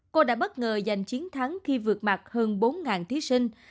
cô đã bất ngờ giành chiến thắng khi vượt mặt hơn bốn thí sinh